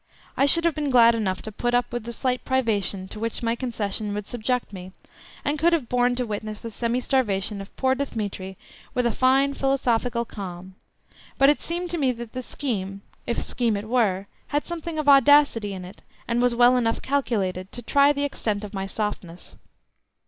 I should have been glad enough to put up with the slight privation to which my concession would subject me, and could have borne to witness the semi starvation of poor Dthemetri with a fine, philosophical calm, but it seemed to me that the scheme, if scheme it were, had something of audacity in it, and was well enough calculated to try the extent of my softness.